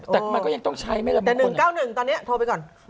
แต่มันก็ยังต้องใช้แต่๑๙๑ตอนเนี้ยโทรไปก่อน